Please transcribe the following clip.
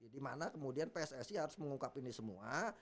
di mana kemudian pssi harus mengungkap ini semua